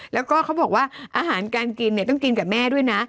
แล้วก็เขาบอกว่าอาหารการกินเนี่ยต้องกินกับแม่ด้วยนะ